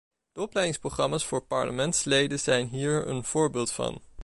De opleidingsprogramma's voor parlementsleden zijn hier een voorbeeld van.